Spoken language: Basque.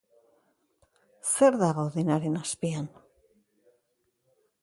Zer dago denaren azpian?